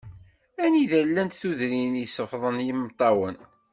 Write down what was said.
Anida i llant tudrin i ṣeffḍen yimeṭṭawen.